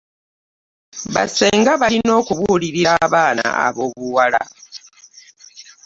Ba senga balina okubulirira abaana abw'obuwala.